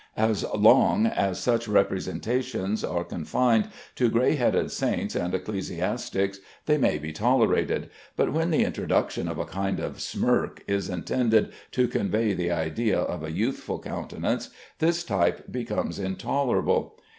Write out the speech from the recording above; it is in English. As long as such representations are confined to gray headed saints and ecclesiastics they may be tolerated, but when the introduction of a kind of smirk is intended to convey the idea of a youthful countenance this type becomes intolerable.